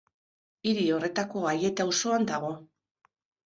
Hiri horretako Aiete auzoan dago.